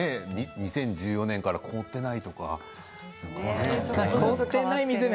２０１４年から凍っていないとかね。